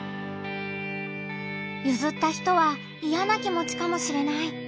ゆずった人はイヤな気持ちかもしれない。